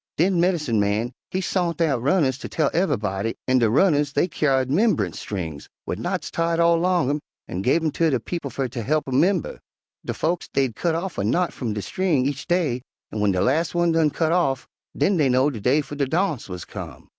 Den medincin' man he sont out runners ter tell ev'b'dy, an' de runners dey kyar'd 'memb'ance strings wid knots tied all 'long 'em, an' give 'em ter de people fer ter he'p 'em 'member. De folks dey'd cut off a knot f'um de string each day, an' w'en de las' one done cut off, den dey know de day fer de darnse wuz come.